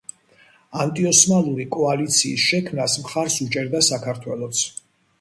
ანტიოსმალური კოალიციის შექმნას მხარს უჭერდა საქართველოც.